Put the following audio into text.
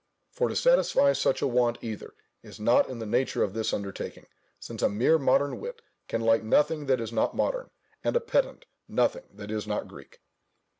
For to satisfy such a want either, is not in the nature of this undertaking; since a mere modern wit can like nothing that is not modern, and a pedant nothing that is not Greek.